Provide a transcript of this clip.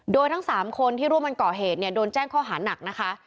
โดยทั้ง๓คนที่ร่วมกันก่อเหตุเนี่ยโดนแจ้งข้อหานักนะคะ